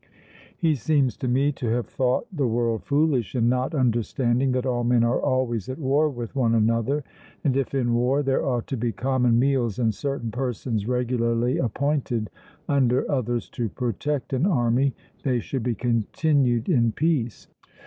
He seems to me to have thought the world foolish in not understanding that all men are always at war with one another; and if in war there ought to be common meals and certain persons regularly appointed under others to protect an army, they should be continued in peace.